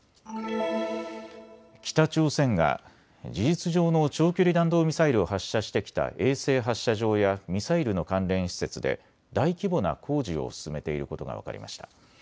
北朝鮮が事実上の長距離弾道ミサイルを発射してきた衛星発射場やミサイルの関連施設で大規模な工事を進めていることが分かりました。